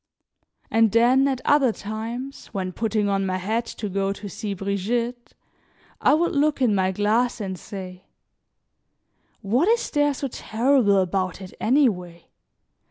And then, at other times, when putting on my hat to go to see Brigitte, I would look in my glass and say: "What is there so terrible about it, anyway?